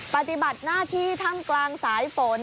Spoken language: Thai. ปฏิบัติหน้าที่ถ้ำกลางสายฝน